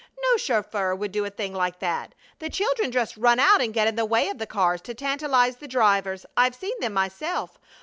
No chauffeur would do a thing like that! The children just run out and get in the way of the cars to tantalize the drivers. I've seen them myself.